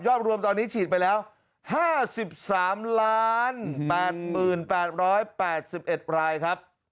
รวมตอนนี้ฉีดไปแล้ว๕๓๘๘๑รายครับ